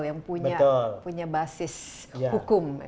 yang punya basis hukum